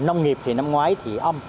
nông nghiệp thì năm ngoái thì ôm